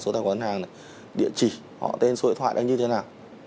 số tài khoản nhân hàng này địa chỉ họ tên số hệ thoại đây như thế nào